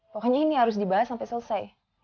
pokoknya ini harus dibahas sampai selesai